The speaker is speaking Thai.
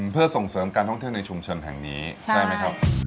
เพื่อส่งเสริมการท่องเที่ยวในชุมชนแห่งนี้ใช่ไหมครับ